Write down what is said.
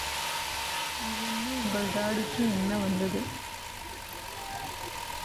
இதென்ன உங்கள் தாடிக்கு என்ன வந்தது?